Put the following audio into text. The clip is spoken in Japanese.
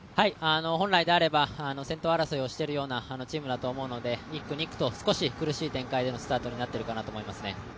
本来であれば先頭争いをしているようなチームだと思うので１区、２区と少し苦しい展開でのスタートになっているんではないかと思いますね。